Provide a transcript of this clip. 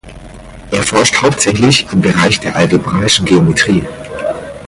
Er forscht hauptsächlich im Bereich der algebraischen Geometrie.